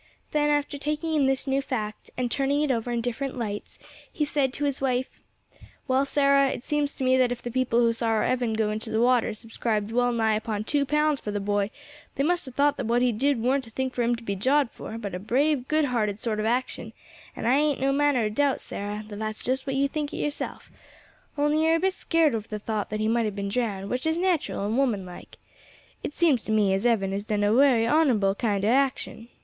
Then after taking in this new fact, and turning it over in different lights, he said to his wife, "Well, Sarah, it seems to me that if the people who saw our Evan go into the water subscribed well nigh upon two pounds for the boy, they must have thought that what he did warn't a thing for him to be jawed for, but a brave, good hearted sort of action; and I ain't no manner of doubt, Sarah, that that's just what you think it yerself, only you are a bit scared over the thought that he might have been drowned, which is natural and woman like. It seems to me as Evan has done a wery honourable kind o' action.